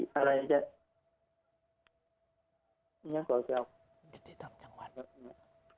ไปที่อะไรเรียกสมศตรี